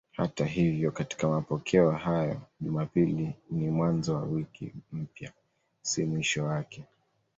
Hata hivyo katika mapokeo hayo Jumapili ni mwanzo wa wiki mpya, si mwisho wake.